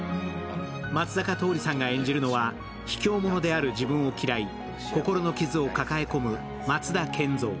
松坂桃李さんが演じるのは、卑怯者である自分を嫌い、心の傷を抱え込む松田研三。